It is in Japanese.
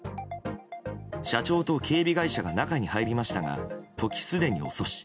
社長と警備会社が中に入りましたが時すでに遅し。